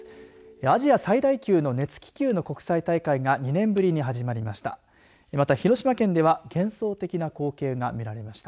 アジア最大級の熱気球の国際大会が２年ぶりに始まりました。